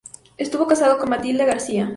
Estuvo casado con Matilde García.